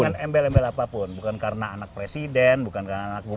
tidak dengan embel embel apapun bukan karena anak presiden bukan karena anak muslim